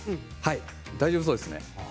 大丈夫そうですね。